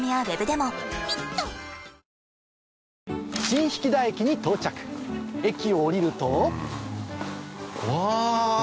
新疋田駅に到着駅を降りるとうわ！